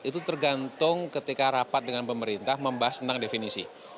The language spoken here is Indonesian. itu tergantung ketika rapat dengan pemerintah membahas tentang definisi